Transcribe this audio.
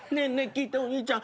聞いてお兄ちゃん。